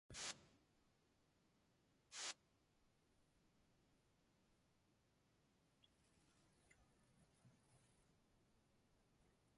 Tautugukkai nannut.